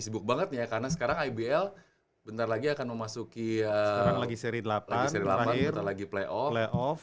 sibuk banget ya karena sekarang ibl bentar lagi akan memasuki sekarang lagi seri delapan sekarang lagi seri delapan bentar lagi playoff playoff